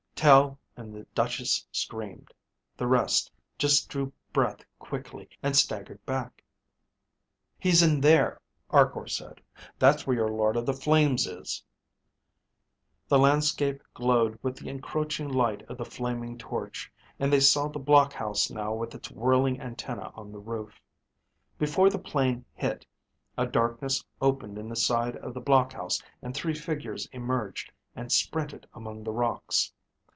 Tel and the Duchess screamed. The rest just drew breath quickly and staggered back. "He's in there," Arkor said. "That's where your Lord of the Flames is." The landscape glowed with the encroaching light of the flaming torch, and they saw the blockhouse now with its whirling antennae on the roof. Before the plane hit, a darkness opened in the side of the blockhouse and three figures emerged and sprinted among the rocks.